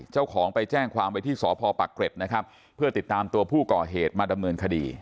เจ้าของไปแจ้งความไว้ที่สพปักเกร็ดนะครับเพื่อติดตามตัวผู้ก่อเหตุมาดำเนินคดี